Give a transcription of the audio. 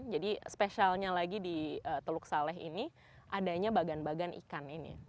jadi spesialnya lagi di teluk saleh ini adanya bagan bagan ikan ini